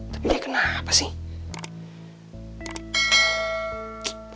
tapi dia kenapa sih